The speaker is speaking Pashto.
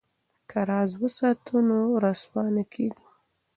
که راز وساتو نو رسوا نه کیږو.